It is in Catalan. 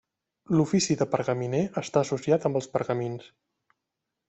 L'ofici de pergaminer està associat amb els pergamins.